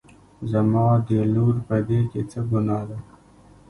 زما د لور په دې کې څه ګناه ده